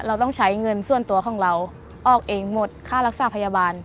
เราต้องใช้เงินส่วนตัวของเราออกเองหมดค่ารักษาพยาบาล